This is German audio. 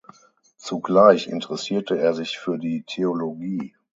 Zugleich interessierte er sich für die Theologie.